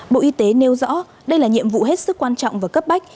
bộ y tế nêu rõ đây là nhiệm vụ hết sức quan trọng và cấp bách